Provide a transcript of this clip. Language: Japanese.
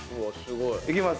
いきます。